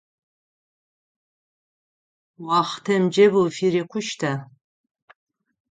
Уахътэмкӏэ уфырикъущта?